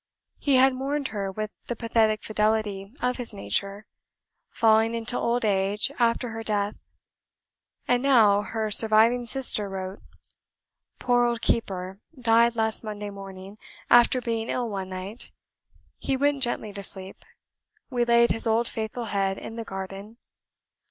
He had mourned her with the pathetic fidelity of his nature, falling into old age after her death. And now, her surviving sister wrote: "Poor old Keeper died last Monday morning, after being ill one night; he went gently to sleep; we laid his old faithful head in the garden.